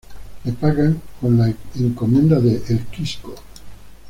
Le pagan con la Encomienda de El Quisco.